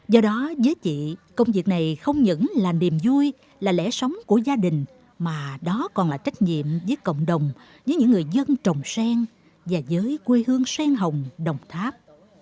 do đó với chị công việc này không những là niềm vui là lẽ sống của gia đình mà đó còn là trách nhiệm với cộng đồng với những người dân trồng sen và với quê hương sen hồng đồng tháp